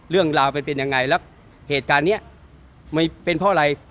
เรื่องราวมันเป็นเป็นยังไงแล้วเหตุการณ์นี้มันเป็นเพราะอะไร